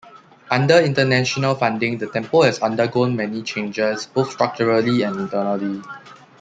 Under international funding, the temple has undergone many changes, both structurally and internally.